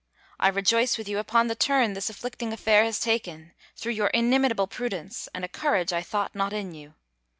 I rejoice with you upon the turn this afflicting affair has taken, through your inimitable prudence, and a courage I thought not in you.